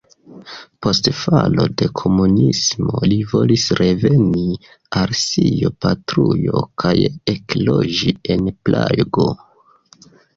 Post falo de komunismo li volis reveni al sia patrujo kaj ekloĝi en Prago.